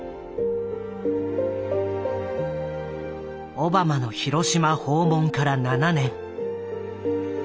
オバマの広島訪問から７年。